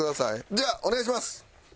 じゃあお願いします。